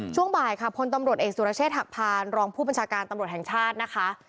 ช่วงบ่ายค่ะพลตำรวจเอกสุรเชษฐหักพานรองผู้บัญชาการตำรวจแห่งชาตินะคะ